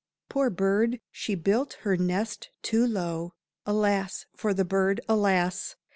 Poor bird, she built her nest too low; Alas! for the bird, alas!